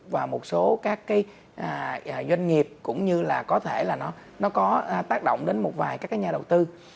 và một số các cái doanh nghiệp cũng như là có thể là nó có tác động đến một vài các cái nhà đầu tư